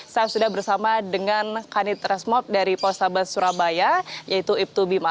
saya sudah bersama dengan kanit resmob dari postabes surabaya yaitu ibtu bima